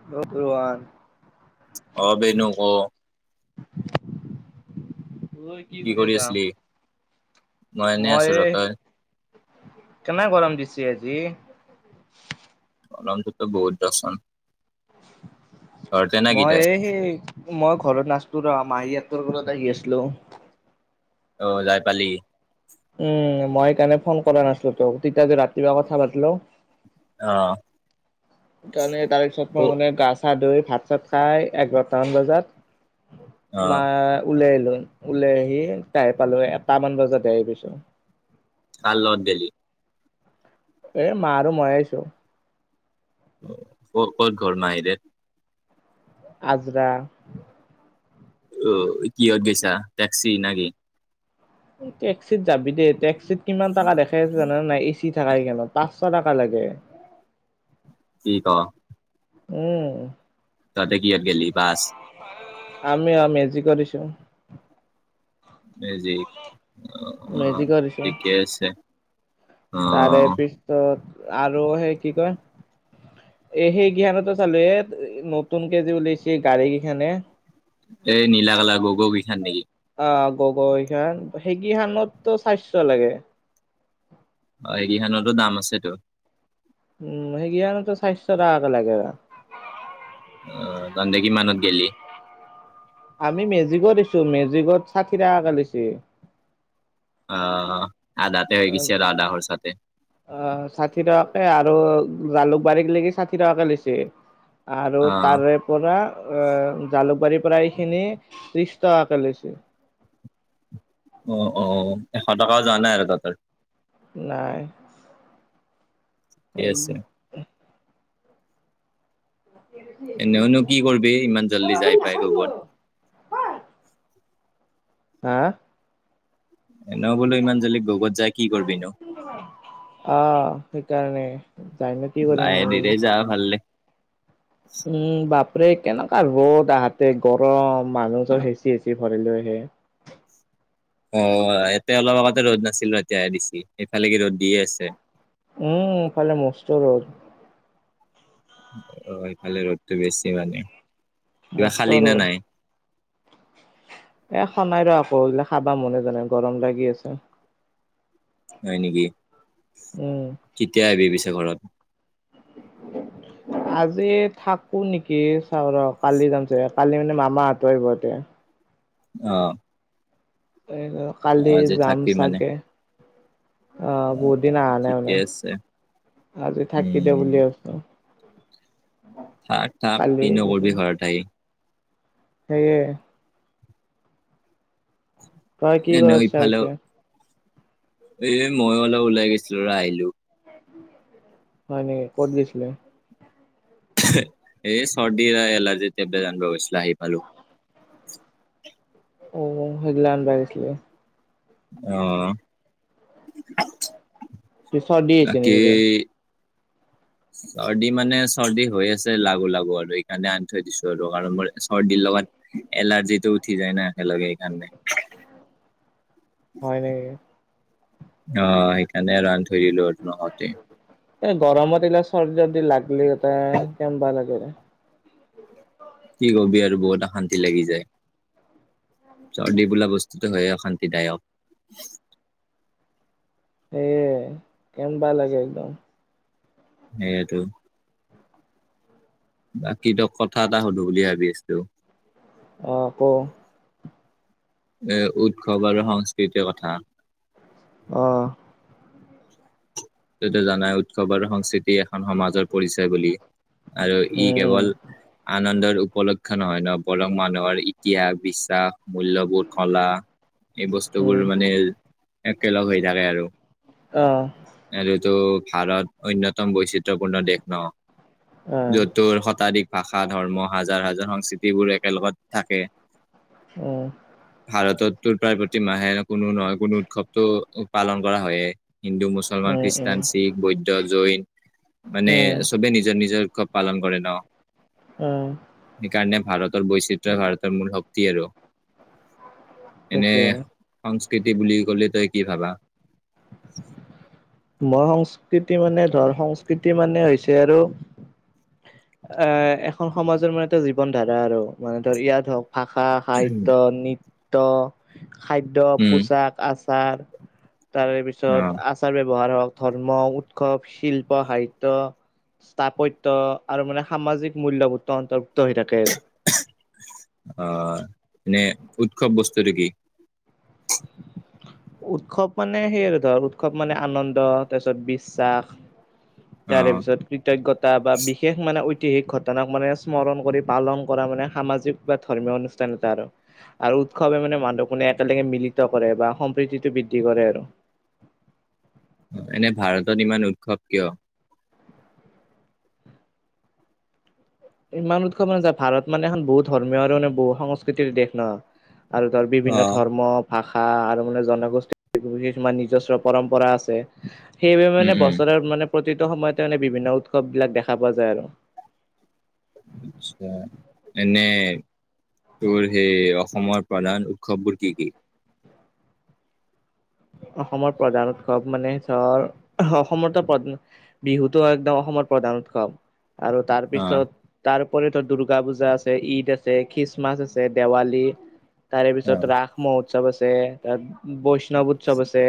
[unintelligible] অঁ' বেনো ক? [unintelligible] কি কৰি আছা? এনে আছো মই ৰ এই তই কেনে গৰম দিছে আজি? গৰটোতো বহুত দেচোন। কি মই তই এই সেই মই ঘৰত নাচিলো, মাহিহতৰ ঘৰত আহি আছিলো। অঁ' যাই পালি? উমঁ' মই সেইকাৰণে ফোন কৰা নাছিলো তোক, তেতিয়া যে ৰাতিপুৱা কথা পাতিলো। অঁ। সেইকাৰণে তাৰ পিছত মই মানে গা চা ধুই, ভাত চাত খাই এঘাৰটামান বজাত- অ তোমাৰ উওলাই আহিলোঁ ওলাই আহি তাই পালো এটামান বজাতে আহি পাইছোঁ কাৰ লগত গেলি? এ মা আৰু মই আহিছোঁ। ক'ত ক'ত ঘৰ মাইৰেৰ? আজৰা। অ', কিহত গেইছা টেক্সি না কি। টেক্সিত যাবি দে টেক্সিত কিমান টকা দেখাই আছে জানা নে নাই এ থাকাই কেখানত পাঁচশ টাকা লাগে। কি ক। উম। তাতে কিহত গেলি বাছ? আমি অ', মেজিকত আহিছোঁ। মেজিক। মেজিকত আহিছোঁ আছে অ তাৰে পিছ ত আৰু সেই কি কয় এ সেই সেইকেখনো চালো নতুন কে যে উলাইছে গাড়ী কেইখানে এই নীল কালাৰ গগৌ গেগৌ কেইখান নেকি? অ', গৌ গৌ কেইখান সেইকেই খানতো চাইচ্ছ লাগে। অ', এই কেইখনানতো দাম আছেতো। উম সেইকেইখানতো চাইচ্ছ টাকাকে লাগে তাক। অ', তন্ধে কিমান ত গেলি। আমি মেজিকত আহিছোঁ মেজিকত ষাঠি টাকা কে লৈইছি। অ', আদাতে হৈ গৈছে আৰু আদাহ খৰচা তে অ', ষাঠি টকাকে আৰু জালুক বাৰী লেকি ষাঠি টকাকে লৈছে। আৰু অ তাৰে পৰা জালুকবাৰীৰ পৰা এইখিনি ত্ৰিছ টকাকৈ লৈছে। অ', অ', এশ টকাও যোৱা নাই আৰু তহঁতৰ। নাই। ঠিকে আছে। এনেওনো কি কৰিবি ইমান জল্দি যাই পাই গৌত। হা এনো বোলো ইমান যল্ডি গৌত যায় কি কৰিবি নো। অ', সেইকাৰণে যায় ন লাহে ধিৰে বোলো যা ভাল দে। উম বাপৰে কেনেকুৱা ৰ'দ আহাতে গৰম মানুহ চব হেঁচি, হেঁচি ভৰে লৈ আহে। অ', ইয়াতে অলপ আগতে ৰ'দ নাছিলে ৰ এতিয়া দিছি সেই ফালে কি ৰ'দ দিয়ে আছে। উম এফালে মস্ত ৰ'দ। অ', এইফালে ৰ'দতটো বেছি মানে কিবা মস্ত খালি না ৰ'দ নাই? এ খনাই ৰ আকৌ এইবিলাক খাবা মনে জানাই গৰম লাগি আছে। হয় নেকি। উম। কিতিয়া আহিবি পিছে ঘৰত। [inaudible] আজি থাকোঁ নেকি চাও ৰ কালি যাম চাগে কালি মানে মামা হঁতো আহবো। অ'। অ, কালি আজি যাম থাকবি মানে চাগে অ বহুত অ দিন অহা নাই ঠিকে মানে আছে আজি থাকি দে উম বুলি ভৈছো। থাকে তাক কালি কিনো কৰিবি ঘৰত সেইয়ে তই কি এনেও কৰচা ইফালেও পিছে এ মইো অলপ ওলাই গৈছিলো ৰ আহিলো। হয় নে ক'ত গিছিলি এ চৰ্দি এলাৰ্জিতিব জানিব গৈছিলে আহি পালো। অ সেইগিলা আনিবাইিছিলে অ বাকী উ চৰ্দি মানে চৰ্দি হৈ আছে লাগু লাগু আৰু এইকাৰণে আনি থৈ দিছো আৰু কাৰণ মোৰ চৰ্দিৰ লগত। এলাৰ্জিটো উঠি যায় ন একেলগে এইকাৰণে হয় নেকি অ সেইকাৰণে ৰান থৈ দিলো নহতে এ গৰমত এইিলা চৰ্ যদি লাগলি এ কেনবা লাগে কি কবি আৰু বহুত অশান্তি লাগি যায় চৰ্দি বোলা বস্তুতটো হয় অশান্তিদায়ক সেয় কেমনবা লাগে একদম সেইয়টো বাকী ত কথা এটা সুধো বুলি ভাবি আছো অ ক এ উৎসৱ আৰু সংস্কৃতিৰ কথা অ তেয়া জানাই উৎসৱ আৰু সংস্কৃতি এখন সমাজৰ পৰিচয় বুলি। আৰু ই উম কেৱল আনন্দৰ উপলক্ষ্ নহয় ন বৰং মানুহৰ ইতিহাস বিশ্বাস মূলল্বোৰ কলা এই উম উম বস্তুবোৰ মানে একেলগ হৈ থাকে আৰু অঁ এইটো ভাৰত অন্যতম বৈচিত্ৰপূৰ্ণ দেশ ন আহ য'তোৰ শতাধিক ভাষা ধৰ্ম হাজাৰ হাজাৰ সংস্কৃতিবোৰ একেলগত থাকে। উম ভাৰতততো প্ৰায় প্ৰতি মাহে কোনো নহয় কোনো উৎসৱতটো পালন কৰা হয়য়েই হিন্দু মুছলমান উম উম খ্ৰীষ্টান শিখ বৈদ্ধ জৈন মানে উম চবে নিজৰ নিজৰ। পালন কৰে ন উম সেইকাৰণে ভাৰতৰ বৈচিত্ৰয়ই ভাৰতৰ মূল শক্তি আৰু এনে সেইটোয়ে সংস্কৃতি বুলি কলে তই কি ভাবা মই সংস্কৃতি মানে ধৰ সংস্কৃতি মানে হৈছে আৰু এ এখন সমাজৰ মানে এটা জীৱন ধাৰা আৰু মানে ধৰ ইয়াত হওক ভাষা সাহিত্যয় নৃত্য় খাদ্য উম পোচাক আছে ত অ পিছত াৰ ব্যৱহাৰ হওক ধৰ্ম উৎসৱ শিল্প সাহিত্য স্থাপত্য আৰু মানে সামাজিক মূল্যবোধ অন্তৰ্ভুক্ত হৈ থাকে আৰু আহ এনে উৎসৱ বস্তুটো কি। উৎসৱ মানে সেই আৰু ধৰ উৎসৱ মানে আনন্দ তাৰপিছত বিশ্বাস। তাৰে অ', পিছত। কৃতজ্ঞতা বা বিশেষ মানে ঐতিহিক ঘটনাক মানে স্মৰণ কৰি পালন কৰা মানে সামাজিক বা ধৰ্মীয় অনুষ্ঠান। আৰু আৰু উৎসৱে মান মানুৱ কোনে এালকে মিলিত কৰে বা স। প্ৰকতিটো বৃদ্ধি কৰে আৰু। অ এনে ভাৰতত ইমান উৎসৱ কিয়? ইমান উৎসৱ মানে যে ভাৰত মানে এখন বহুত ধৰ্মীয় আৰুানে বহু সংস্কৃতিৰ দেশ ন। আৰু ধৰ বিভিন্ন উম, ধৰ্ম। ভাষা আৰু মানে জনগোষ্ঠীৰ কিছুমান নিজস্ব পৰম্পৰা আছে। সেইবাবে মানে উম। বছৰৰ মানে প্ৰতিটো সময়তে মানে বিভিন্ন উৎসৱ বিলাক দেখা পোৱা যায় আৰু। আচ্ছা এনে। তোৰ সেই অসমৰ প্ৰধান উৎসৱবোৰ কি কি? অসমৰ প্ৰধান উৎসৱ মানে ধৰ অসমৰ ত। বিহুতো একদম অসমৰ প্ৰধান উৎসৱ আৰু অ', তাৰপিছত। তাৰপৰি ত দুূৰ্গা পূজা আছে ঈদ আছে খ্ৰীষ্টমাছ আছে দেৱালী। তাৰে পিছত অ', ৰাস মহোৎসৱ আছে তাত বৈষ্ণৱত। উৎসৱ আছে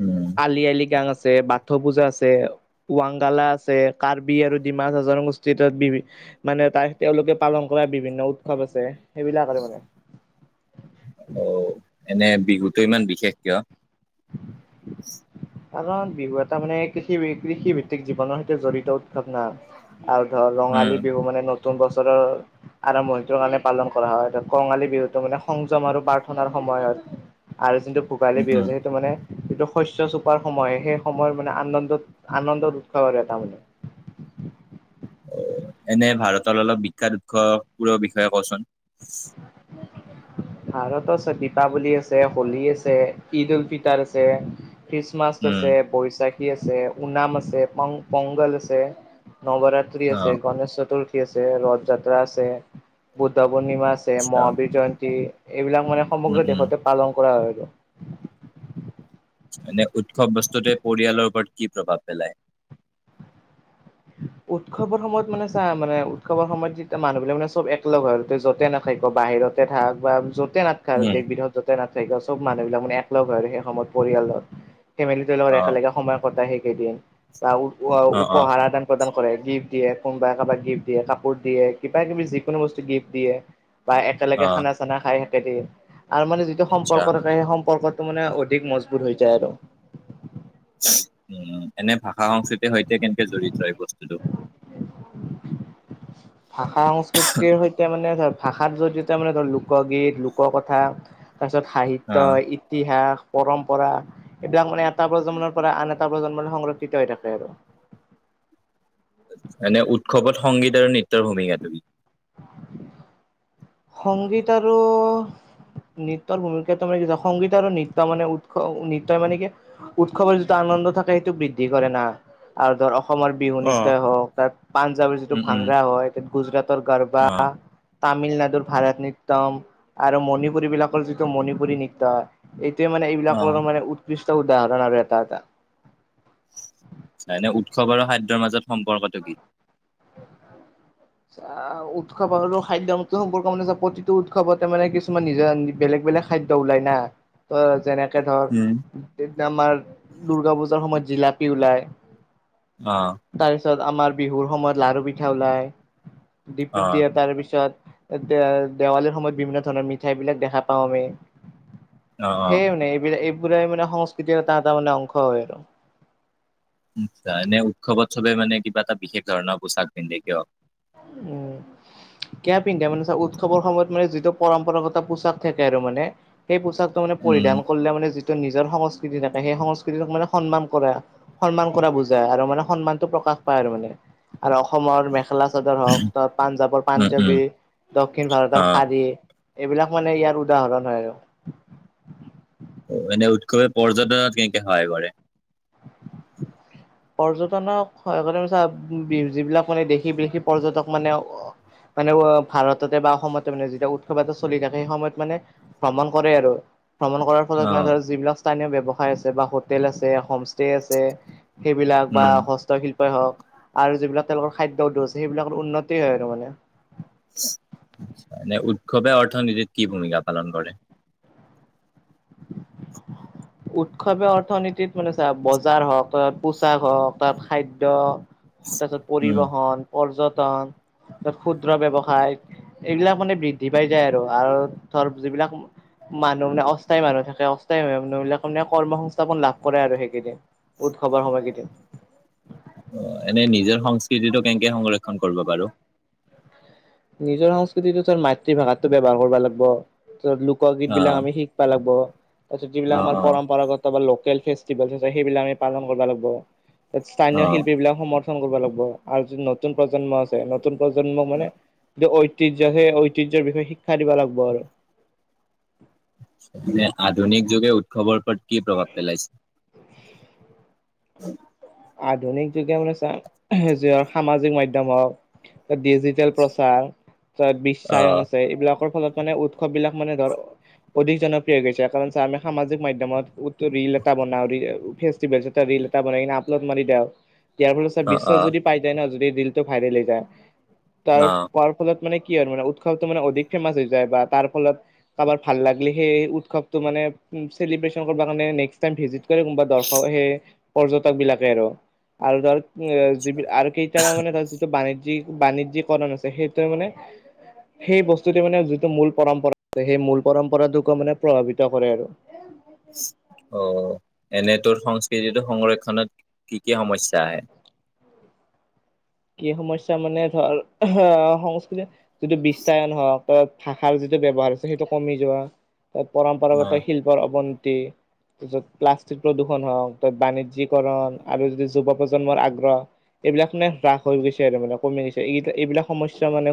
উম, আলি আইলি গাং আছে বাট। পথ পূজা আছে ৱাংগালা আছে কাৰ্বি আৰু ডিমাছা জনগোষ্ঠী বি। মানে তাই তেওঁলোকে পালন কৰা বিভিন্ন উৎসৱ আছে সেইবিলাক আৰু মানে। অ এনে বিহুতো ইমান বিশেষ কিয়? কাৰণ বিহু এটা মানে কৃষি কৃষি ভিত্তিক জীৱনৰ সৈতে জড়িত উৎসৱ ন। আৰু ধৰ উম, ৰঙালী বিহু মানে নতুন বছৰৰ। আৰম্ভণিটোৰ কাৰণে পালন কৰা হয় কঙালী বিহুতটো মানে সংযম আৰু প্ৰাৰ্থনাৰ সময়ত। আৰু যিটো ভোগালী উম, উম, বিহুছে সেইটো মানে শস্য চ। সময় সেই সময়ৰ মানে আনন্দত আনন্দত উৎসৱ আৰু এটা মানে। অ এনে ভাৰতৰ অলপ বিখ্যাত উৎসবোৰৰ বিষয়ে কচোন। ভাৰতত আছে দীপাৱলী আছে হোলী আছে ঈদ উল ফিতাৰ আছে। খ্ৰীষ্টমাছ উম, আছে বৈশাখ। আছে ঊনাম আছে পংগল আছে নৱৰাত্ৰি আছে অ', গনেশ চতুৰ্থী। আ ৰথ যাত্ৰা আছে বুদ্ধ পূৰ্ণিমা আছে আচ্ছা, মহাবীৰ জয়ন্তী এইবিলাক মানে। উম, সমগ্ৰ উম, দেশতে পালন কৰা হয় গ। মানে উৎসৱ বস্তুতে পৰিয়ালৰ ওপৰত কি প্ৰভাৱ পেলায়। উ উৎসৱৰ সময়ত মানে চা মানে উৎসৱৰ সময়ত যেতিয়া মানুহবিলাক মানে চব একলগ হয়তে য'তে নাখাক ক বাহিৰত। থাক বা য'তে না। আৰু উম, দেশ বৃহত য'তে নাথাকে আৰু চব মানুহবিলাক মানে একলগ হয় আৰু সেই সময়ত পৰিয়ালত। ফেমিলিটোৰ লগত অ', একেলগে সময় কটাই সেইকেইদিন বা অ', অ', উপহাৰ আদান। প্ৰদান কৰে গিফ্ট দিয়ে কোনোবাই কাৰোবাক গিফ্ট দিয়ে কাপোৰ দিয়ে কিবা কিবি যিকোনো বস্তু গিফ্ট দিয়ে। বা একেলগে অ', খানা চানা খাই সেদিয়ে আৰু মানে যিটো আচ্ছা, সম্পৰ্ক থাকে সেই সম্পৰ্কত। মানে অধিক মজবুত হৈ যায় আৰু। উম এনে ভাষা সংস্কৃতিৰ সৈতে কেনেকে জড়তি এই বস্তুটো। ভাষা সংস্কৃতিৰ সৈতে মানে ধৰ ভাষাত জৰিয়তে মানে ধৰ লোকগীত লোক কথা। তাৰপিছত সাহিত্য অ', ইতিহাস। পৰম্পৰা এইবিলাক মানে এটা প্ৰজন্মৰ পৰা আন এটা প্ৰজন্মৰ সংৰক্ষিত হৈ থাকে আৰু এনে উৎসৱত সংগীত আৰু নৃত্যৰ ভূমিকা তুমি সংগীত আৰু নৃত্যৰ ভূমিকাটো মানে কি সংগীত আৰু নৃত্য মানে উৎস নৃত্যই মানে কি উৎসৱৰ যিটো আনন্দ থাকে সেইটো বৃদ্ধি কৰে না আৰু ধৰ অসমৰ বিহু অ'। নৃত্যই হওক তাত পাঞ্জাৱৰ যিটো উম, উম, ভাংৰা হয় গুজৰাটৰ গাৰবা অ', তামিলনাডুৰ ভাৰত নৃত্যম আৰু মণিপুৰী বিলাকৰ যিটো মণিপুৰী নৃত্য হয় এইটোৱে মানে অ', এইবিলাকৰ মানে উৎকৃষ্ট উদাহৰণ আৰু এটা এটা হয়নে উৎসৱ আৰু খাদ্যৰ মাজত সম্পৰ্কটো কি [unintelligible] আহ উৎসৱ আৰু খাদ্য সম্পৰ্ক মানে প্ৰতিটো উৎসৱতে মানে কিছুমান নিজৰ বেলেগ বেলেগ খাদ্য ওলাই না ত যেনে ধৰ উম। আমাৰ দুূৰ্গা পূজাৰ সময়ত জিলাপি ওলাই অ তাৰপিছত আমাৰ বিহুৰ সময়ত লাডাৰু পিঠা ওলাই দি অ', দিয়ে তাৰপিছত দেৱালীৰ সময়ত বিভিন্ন ধৰণৰ মিঠাই বিলাক দেখা পাওঁ আমি অ', অ'। সেই মানে এইবিল এইবিল ম সংস্কৃতিৰ ত তাৰ মানে অংশ হয় আৰু নি্চা এনে উৎসৱ উৎস চৱে মানে কিবা এটা বিশেষ ধৰণৰ পোছাক পিন্ধে কিয়ক উম কে পিন্ধে মানে চা উৎসৱৰ সময়ত মানে যিটো পৰম্পৰাগত পোছাক থাকে আৰু মানে সেই পোচাকটো মানে উম, পৰিধান কৰিলে মানে যিটো নিজৰ সংস্কৃতি থাকে সেই সংস্কৃতিটোক মানে সন্মান কৰা সন্মান কৰা বুজাই আৰু মানে সন্মানতটো প্ৰকাশ পায় আৰু মানে আৰু অসমৰ মেখেলা ধৰক হওক ত পাঞ্জাৱৰ উম, উম, পাঞ্জাৱী দক্ষিণ ভাৰতৰ অ', শাৰী এইবিলাক মানে ইয়াৰ উদাহৰণ হয় আৰু এনে উৎসৱে পৰ্যটনত কেনেকে সহায় কৰে পৰ্যটনক স যিবিলাক মানে দেশী বিদেশী পৰ্যটক মানে মানে ভাৰততে বা অসমতে মানে যেতিয়া উৎসৱ এটা চলি থাকে সেই সময়ত মানে ভ্ৰমণ কৰে আৰু ভ্ৰমণ কৰাৰ ফত মানে অ', ধৰ যিবিলাক স্থানীয় ব্যৱসায় আছে বা হোটেল আছে হোমষ্টে আছে সেইবিলাক বা উম, হস্তশিল্পই হওঁক আৰু যিবিলাক তেওঁলোকৰ খাদ্য উদ্যোগছে সেইবিলাকৰ উন্নতি হয় আৰু মানে মানে উৎসৱে অৰ্থনীতিত কি ভূমিকা পালন কৰে। উৎসৱে অৰ্থনীতিত মানে চা বজাৰ হওক তাত পোচাক হওক তাত খাদ্য তাৰপিছত উম, পৰিবহন পৰ্যটন ক্ষুদ্ৰ ব্যৱসায় এইবিলাক মানে বৃদ্ধি পাই যায় আৰু আৰু ধৰ যিবিলাক মানুহ মানে অস্থায়ী মানুহ থাকে অস্থায়ী মানুহবিলাক কৰ্ম সংস্থাপন লাভ কৰে আৰু সেইকেইদিন উৎসৱৰ সময় কেইদিন অ এনেই নিজৰ সংস্কৃতিটো কেনেকে সংৰক্ষণ কৰিব বাৰু নিজৰ সংস্কৃতিটো মাতৃভাষাতটোৰ ব্যৱহাৰ কৰিব লাগিব ত লোকগীত বিলাক অ', আমি শিক লাগব তাৰ পিছত যিবিলাক অ', আমাৰ অ'। পৰম্পৰাগত লোকেল ফেষ্টিভেল আছে সেইবিলাক পালন কৰিব লাগিব স্থানীয় অ', শিল্পী বিলাক সমত ন কৰিব লাগিব আৰু যি নতুন প্ৰজন্ম আছে নতুন প্ৰজন্মক মানে কি ঐতিহ্য সেই ঐতিহ্যৰ বিষয়ে শিক্ষা দিব লাগিব আৰু যে আধুনিক যুগে উৎসৱৰ ওপৰত কি প্ৰভাৱ পেলাইছে। উম আধুনিক যুগে মানে চা যে সামাজিক মাধ্যম হওক। ত ডিজিটেল প্ৰচাৰ, ত অ', বিশ্বায়ন আছে। এইবিলাকৰ ফলত মানে উৎসৱ বিলাক মানে ধৰ অধিক জনপ্ৰিয় হৈ গৈছে। কাৰণ চা আমি সামাজিক মাধ্যয়মত ৰিল এটা বনাওঁ ফেস্টিভেল এ ৰিল [unintelligible] ত মাৰি দেওঁ। ইয়াৰ ফলত চ অ', অ', বিশ্বজুৰি পাই যায় ন? যদি ৰিলটো ভাইৰেল হৈ যায়। তাৰ অ', পাৰ ফলত মানে কি আৰু মানে উৎসৱটো মানে অধিক ফেমাচ হৈ যায়, বা তাৰ ফলত কাৰোবাৰ ভাল লাগিলি সেই উৎসৱটো মানে, চেলিব্ৰেশচন কৰবা কাৰণে নেক্স টাইম ভিজিট কৰে কোনোবা দৰ্শক সেই পৰ্যটক বিলাকে আৰু। আৰু ধৰ উ য আৰু কেইটান মানে ত যিটো বাণিজ্যক বাণিজ্যিকৰন আছে সেইটোৱে মানে সেই বস্তুতে মানে যিটো মূল পৰম্পৰা আছে। সেই মূল পৰম্পৰাটোকো মানে প্ৰভাৱিত কৰে আৰু। অ এনে তোৰ সংস্কৃতিটো সংৰক্ষণত কি কি সমস্যা আহে? কি সমস্যা মানে ধৰ আহ সংস্কৃতি যিটো বিশায়ন হওক ত ভাষাৰ যিটো ব্যৱহাৰ আছে সেইটো কমি যোৱা, ত অ'। পৰম্পৰাগত শিল্পৰ অৱনতি ত প্লাষ্টিক প্ৰদূৰষণ হওঁক, ত বাণিজ্যিকৰন আৰু যদি যুৱ প্ৰজন্মৰ আগ্ৰহ। এইবিলাক মানে হ্ৰাস হৈ গৈছে আৰু মানে কমি গৈছে। এইিলাক এইবিলাক সমস্যা মানে